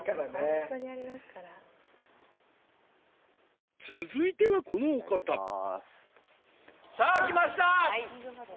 本当にありますから続いてはこのお方さあ来ました